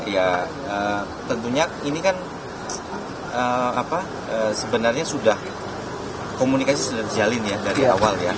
ya tentunya ini kan sebenarnya sudah komunikasi sudah terjalin ya dari awal ya